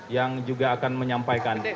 yang juga akan menyampaikan